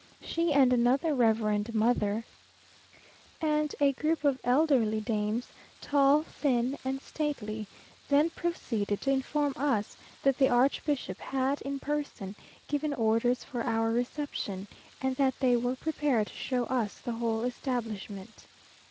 She and another reverend mother, and a group of elderly dames, tall, thin, and stately, then proceeded to inform us, that the archbishop had, in person, given orders for our reception, and that they were prepared to show us the whole establishment.